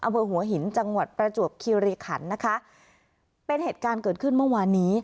อำเภอหัวหินจังหวัดประจวบคิริขันนะคะเป็นเหตุการณ์เกิดขึ้นเมื่อวานนี้